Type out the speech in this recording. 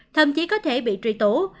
thậm chí có thể bị truy tố